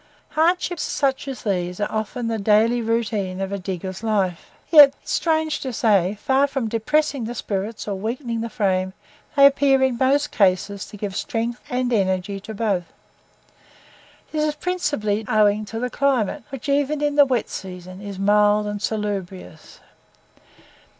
Hardships such as these are often the daily routine of a digger's life; yet, strange to say, far from depressing the spirits or weakening the frame, they appear in most cases to give strength and energy to both. This is principally owing to the climate, which even in the wet season is mild and salubrious.